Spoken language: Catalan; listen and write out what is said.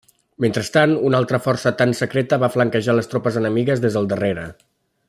Mentrestant, una altra força Tang secreta va flanquejar les tropes enemigues des del darrere.